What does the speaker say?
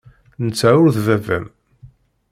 Netta ur d baba-m.